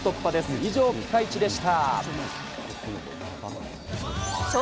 以上、ピカイチでした。